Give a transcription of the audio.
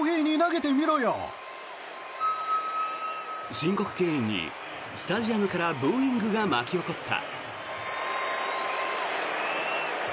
申告敬遠に、スタジアムからブーイングが巻き起こった。